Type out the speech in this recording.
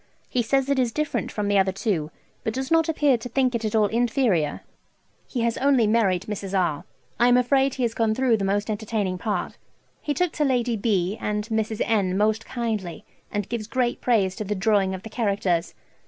He says it is different from the other two, but does not appear to think it at all inferior. He has only married Mrs. R. I am afraid he has gone through the most entertaining part. He took to Lady B. and Mrs. N. most kindly, and gives great praise to the drawing of the characters.